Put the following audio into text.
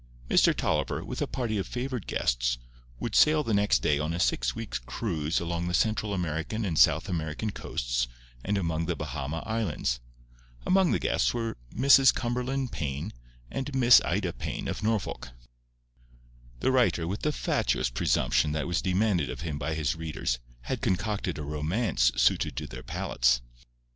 Mr. Tolliver, with a party of favoured guests, would sail the next day on a six weeks' cruise along the Central American and South American coasts and among the Bahama Islands. Among the guests were Mrs. Cumberland Payne and Miss Ida Payne, of Norfolk. The writer, with the fatuous presumption that was demanded of him by his readers, had concocted a romance suited to their palates.